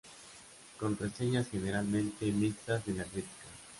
Con reseñas generalmente mixtas de la crítica.